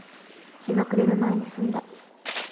日が暮れる前に済んだ。